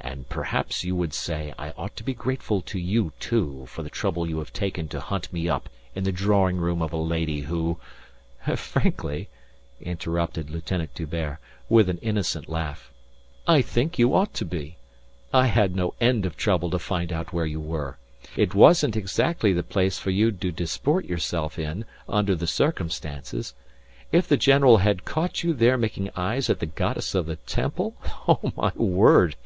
"And perhaps you would say I ought to be grateful to you too for the trouble you have taken to hunt me up in the drawing room of a lady who..." "Frankly," interrupted Lieutenant D'Hubert, with an innocent laugh, "I think you ought to be. I had no end of trouble to find out where you were. It wasn't exactly the place for you to disport yourself in under the circumstances. If the general had caught you there making eyes at the goddess of the temple.... Oh, my word!...